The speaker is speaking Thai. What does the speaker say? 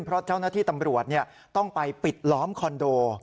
เพราะเจ้าหน้าที่ตำรวจต้องไปปิดล้อมคอนโด